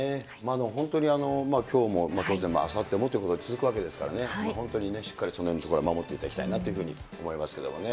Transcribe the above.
本当にきょうも当然、あさってもということで続くわけですからね、本当にね、しっかりそのへんのところは守っていただきたいなと思いますけどもね。